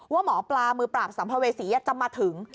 หมอปลามือปราบสัมภเวษีจะมาถึง